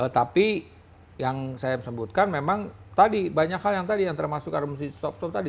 tapi yang saya sebutkan memang tadi banyak hal yang tadi yang termasuk armusi stop stop tadi